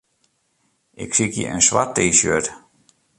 Ik sykje in swart T-shirt.